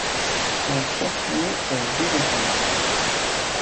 Son chef-lieu est Williton.